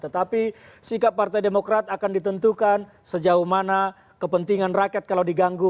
tetapi sikap partai demokrat akan ditentukan sejauh mana kepentingan rakyat kalau diganggu